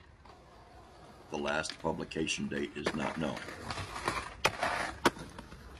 The last publication date is not known.